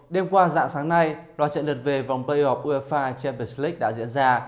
đêm qua dạng sáng nay đoạn trận đợt về vòng playoff uefa champions league đã diễn ra